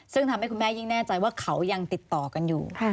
ซึ่งทำให้คุณแม่ยิ่งแน่ใจว่าเขายังติดต่อกันอยู่